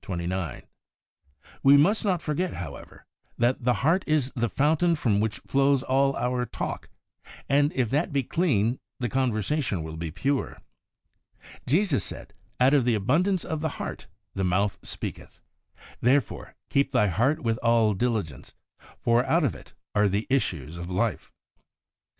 We must not forget, how ever, that the heart is the fountain from which flows all our talk, and if that be clean the conversation will be pure. Jesus said, ' Out of the abundance of the heart the mouth speaketh.' Therefore, ' keep thy heart with all diligence, for out of it are the issues of life.